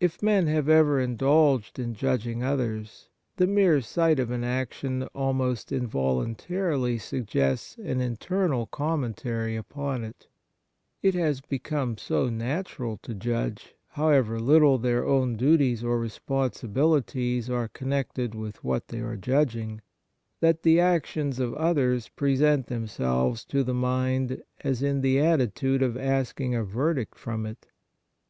If men have ever indulged in judging others, the mere sight of an action almost involuntarily suggests an internal com' mentary upon it. It has become so Kind Thoughts 55 natural to judge, however little their own duties or responsibilities are connected with what they are judging, that the actions of others present themselves to the mind as in the attitude of asking a verdict from it.